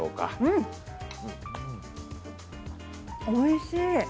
おいしい！